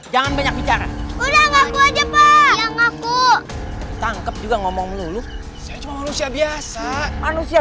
jangan banyak bicara udah ngaku aja pak ngaku tangkep juga ngomong dulu manusia biasa manusia